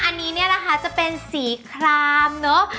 อันนี้เนี่ยนะคะจะเป็นสีครามเนอะ